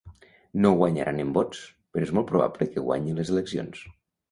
No guanyaran en vots, però és molt probable que guanyin les eleccions.